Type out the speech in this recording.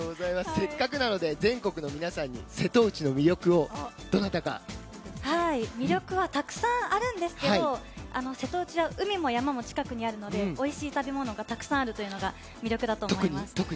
せっかくなので全国の皆さんに魅力はたくさんあるんですが瀬戸内は海も山も近くにあるのでおいしい食べ物がたくさんあるというのは魅力だと思います。